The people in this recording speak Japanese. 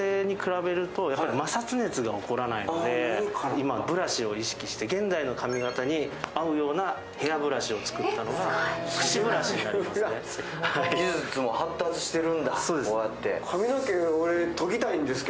今、ブラシを意識して、現代の髪形に合うようなヘアブラシを作ったのがくしブラシになるんですね。